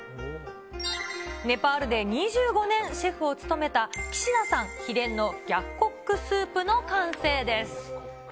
ネパールで２５年シェフを務めたキシナさん秘伝のギャコックスープの完成です。